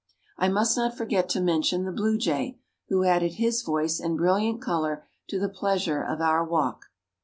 I must not forget to mention the blue jay, who added his voice and brilliant color to the pleasure of our walk.